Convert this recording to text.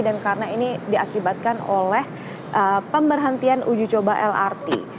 dan karena ini diakibatkan oleh pemberhentian ujicoba lrt